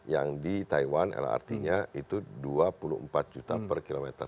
yang di taiwan lrt nya itu dua puluh empat juta per kilometer